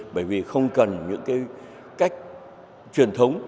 bởi vì không cần những cái cách truyền thống